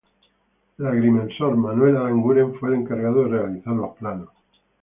El agrimensor Manuel Aranguren fue el encargado de realizar los planos.